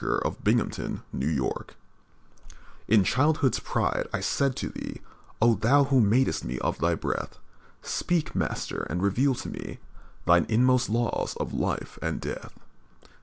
Sarojini Naidu The Soul's Prayer In childhood's pride I said to Thee: "O Thou, who mad'st me of Thy breath, Speak, Master, and reveal to me Thine inmost laws of life and death.